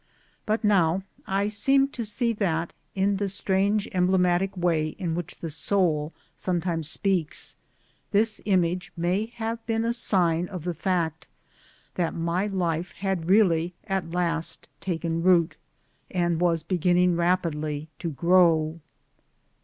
But now I seem to see that, in the strange emblematic way in which the soul some times speaks, this image may have been a sign of the fact that my life had really at last taken root, and was beginning rapidly to grow.